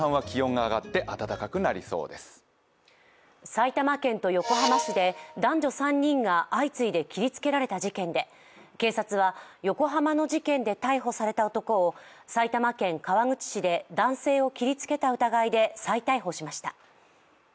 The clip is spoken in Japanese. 埼玉県と横浜市で男女３人が相次いで切りつけられた事件で警察は横浜の事件で逮捕された男を埼玉県川口市で男性を切りつけた疑いで再逮捕しました。